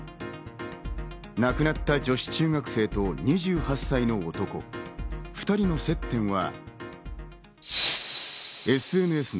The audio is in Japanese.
亡くなった女子中学生と２８歳の男、２人の接点は？